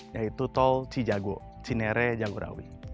yaitu tol cijago cinerre jagow rawi